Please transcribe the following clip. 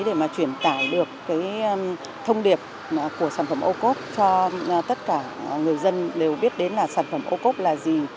để mà truyền tải được thông điệp của sản phẩm ô cốt cho tất cả người dân đều biết đến là sản phẩm ô cốp là gì